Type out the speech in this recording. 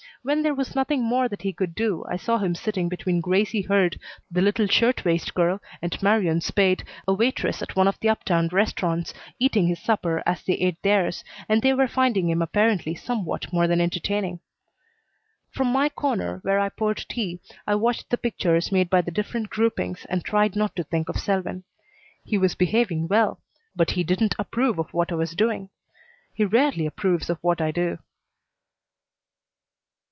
When there was nothing more that he could do I saw him sitting between Gracie Hurd the little shirtwaist girl, and Marion Spade, a waitress at one of the up town restaurants, eating his supper as they ate theirs, and they were finding him apparently somewhat more than entertaining. From my corner where I poured tea I watched the pictures made by the different groupings and tried not to think of Selwyn. He was behaving well, but he didn't approve of what I was doing. He rarely approves of what I do.